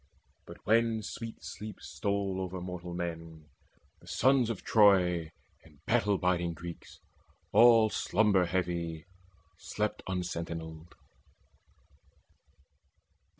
But when sweet sleep stole over mortal men, Then sons of Troy and battle biding Greeks All slumber heavy slept unsentinelled.